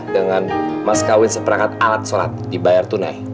dengan mas kawin seperangkat alat solat dibayar tunai